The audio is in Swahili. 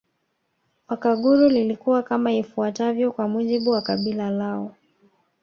Wakaguru lilikuwa kama ifuatavyo kwa mujibu wa kabila lao